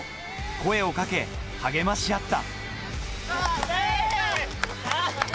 声をかけ励まし合った。